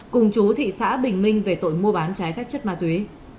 cùng chú thị xã bình minh về tội mua bán trái phép chất ma túy